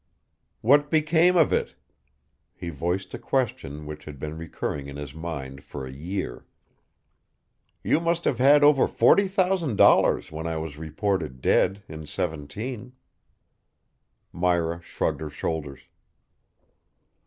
"What became of it?" He voiced a question which had been recurring in his mind for a year. "You must have had over forty thousand dollars when I was reported dead in '17." Myra shrugged her shoulders.